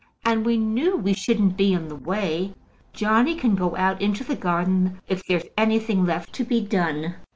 "And we knew we shouldn't be in the way. Johnny can go out into the garden if there's anything left to be done."